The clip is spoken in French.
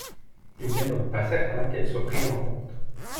Il n’est donc pas certains qu’elles soient prises en compte.